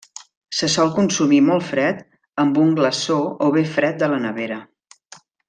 Se sol consumir molt fred amb un glaçó o bé fred de la nevera.